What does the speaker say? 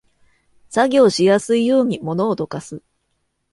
作業しやすいように物をどかす